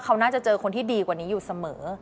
เขาน่าจะเจอคนที่ดีกว่านี้อยู่เสมอ